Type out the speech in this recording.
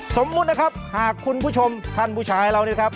สมมตินะครับหากคุณผู้ชมท่านผู้ชายรู้จักนะครับ